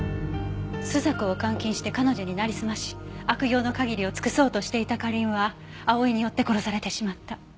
朱雀を監禁して彼女になりすまし悪行の限りを尽くそうとしていた花凛は葵によって殺されてしまった。